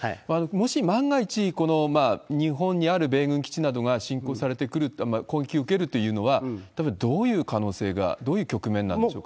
もし万が一、この日本にある米軍基地などが侵攻されてくる、攻撃を受けるというのは、どういう可能性が、どういう局面なんでしょうか？